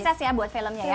sesi ya buat filmnya ya